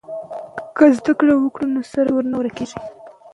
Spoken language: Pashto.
که زرګري وکړو نو سرو زرو نه ورکيږي.